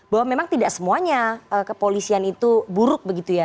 bahwa memang tidak semuanya kepolisian itu buruk begitu ya